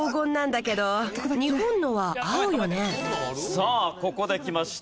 さあここできました。